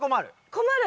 困る。